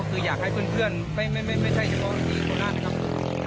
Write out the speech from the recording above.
คืออยากให้เพื่อนไม่ใช่เฉพาะที่โมน่านครับ